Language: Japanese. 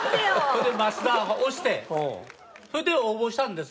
それで増田を押してそれで応募したんです。